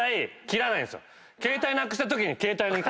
携帯なくしたときに携帯に。